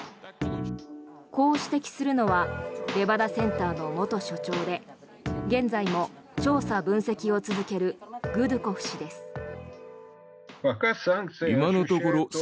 こう指摘するのはレバダセンターの元所長で現在も調査分析を続けるグドゥコフ氏です。